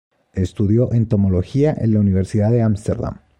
Estudió entomología en la Universidad de Ámsterdam.